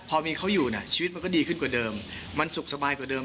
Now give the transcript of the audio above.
พอมีเขาอยู่เนี่ยชีวิตมันก็ดีขึ้นกว่าเดิมมันสุขสบายกว่าเดิม